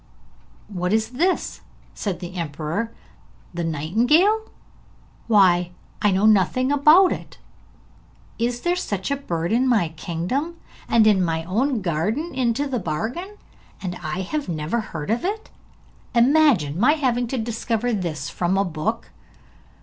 'What is this?' said the emperor. 'The nightingale? Why, I know nothing about it. Is there such a bird in my kingdom, and in my own garden into the bargain, and I have never heard of it? Imagine my having to discover this from a book?'